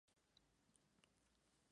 Gaël falleció en Saint-Michel, Francia.